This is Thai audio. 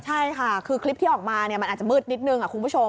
ใช่ค่ะคือคลิปที่ออกมามันอาจจะมืดนิดนึงคุณผู้ชม